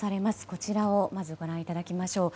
こちらをまずご覧いただきましょう。